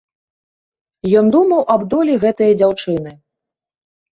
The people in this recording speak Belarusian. Ён думаў аб долі гэтае дзяўчыны.